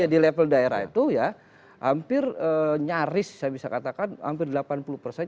di level daerah itu ya hampir nyaris saya bisa katakan hampir delapan puluh persen